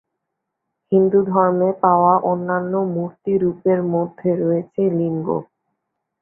হিন্দুধর্মে পাওয়া অন্যান্য মুর্তি রূপের মধ্যে রয়েছে লিঙ্গ।